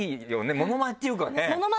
モノマネっていうかね